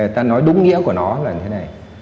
ta nói đúng nghĩa của nó là thế này